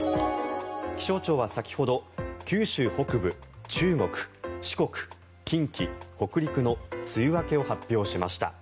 気象庁は先ほど九州北部、中国、四国近畿、北陸の梅雨明けを発表しました。